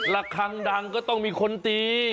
ละครั้งดังก็ต้องมีคนตี